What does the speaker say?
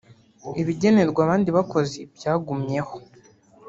ibigenerwa abandi bakozi byagumyeho